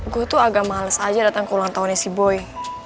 gue tuh agak males aja datang ke ulang tahunnya si boy